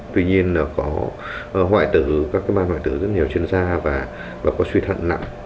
tuy nhiên có hoại tử các ban hoại tử rất nhiều trên da và có suy thận nặng